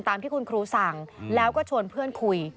ตามที่คุณครูสั่งแล้วก็ชวนเพื่อนคุย